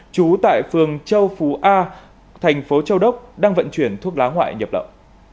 trú tại phường châu phú a thành phố châu đốc đang vận chuyển thuốc lá ngoại nhập lậu